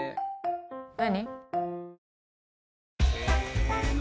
何？